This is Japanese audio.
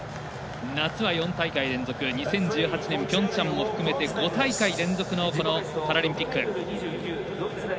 夏は４大会連続２０１８年ピョンチャンも含めて５大会連続のパラリンピック。